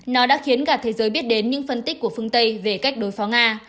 nó đã khiến cả thế giới biết đến những phân tích của phương tây về cách đối phó nga